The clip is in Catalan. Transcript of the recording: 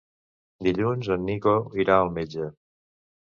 Dilluns en Nico irà al metge.